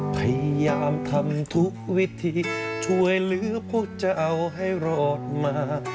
พยายามทำทุกวิธีช่วยเหลือพวกเจ้าให้รอดมา